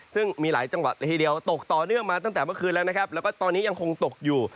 ซึ่งมีหลายจังหวัดละทีเดียวตกต่อเนื่องมาตั้งแต่เมื่อคืนแล้วนะครับแล้วก็ตอนนี้ยังคงตกอยู่